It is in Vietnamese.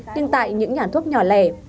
nhưng tại những nhà thuốc nhỏ lẻ